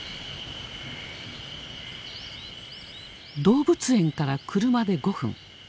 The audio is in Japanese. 動物園から車で５分。